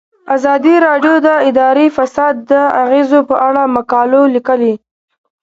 ازادي راډیو د اداري فساد د اغیزو په اړه مقالو لیکلي.